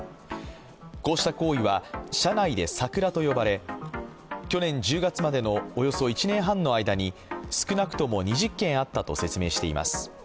こうした行為は社内でサクラと呼ばれ去年１０月までのおよそ１年半の間に少なくとも２０件あったと説明しています。